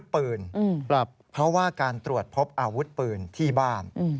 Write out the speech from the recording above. เพราะว่าการตรวจพบอวบ้าน